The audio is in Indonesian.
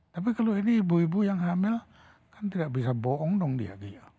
tapi kalau ini ibu ibu yang hamil kan tidak bisa bohong dong dia